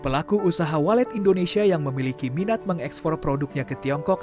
pelaku usaha walet indonesia yang memiliki minat mengekspor produknya ke tiongkok